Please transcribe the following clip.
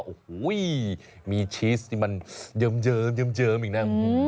โอ้โหมีชีสที่มันเจิมอีกนะ